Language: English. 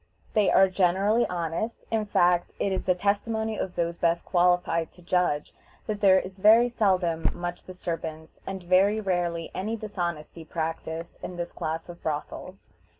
They are generally honest; in fact, it is the testimony of those best qualified to judge, that there is very seldom much disturbance, and very rarely any dishonesty practiced in this class of brothels.